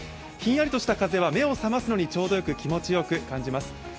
ひんやりとした風は目を覚ますのにちょうどよく気持ちよく感じます。